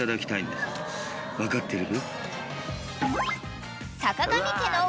分かってるブー。